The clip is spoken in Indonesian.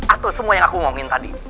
atau semua yang aku ngomongin tadi